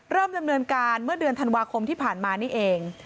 เริ่มดำเนินการเมื่อเดือนธันวาคมที่ผ่านมานี่เอง